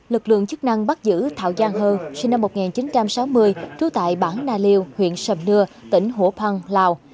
lực lượng chức năng bắt giữ thảo giang hơ sinh năm một nghìn chín trăm sáu mươi trú tại bảng na liêu huyện sầm nưa tỉnh hùa phan lào